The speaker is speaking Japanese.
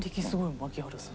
槙原さん！